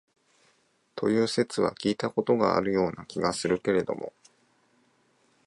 という説は聞いた事があるような気がするけれども、